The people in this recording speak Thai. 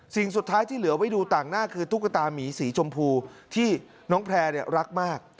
สิ่งสุดท้ายที่เหลือไว้ดูต่างหน้าคือตุ๊กตามีสีชมพูที่น้องแพร่รักมาก